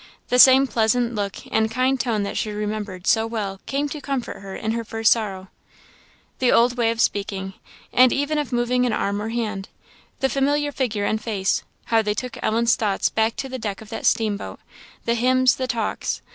The same pleasant look and kind tone that she remembered so well came to comfort her in her first sorrow the old way of speaking, and even of moving an arm or hand the familiar figure and face; how they took Ellen's thoughts back to the deck of that steamboat, the hymns, the talks!